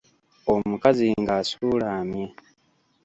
Omukazi ng'asuulamye.